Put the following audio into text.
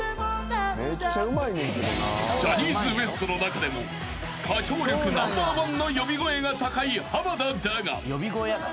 ［ジャニーズＷＥＳＴの中でも歌唱力ナンバーワンの呼び声が高い濱田だが］